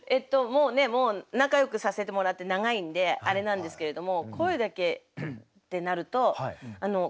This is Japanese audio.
もうね仲よくさせてもらって長いんであれなんですけれども声だけってなると結構。